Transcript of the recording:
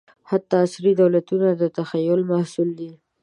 حتی عصري دولتونه د تخیل محصول دي.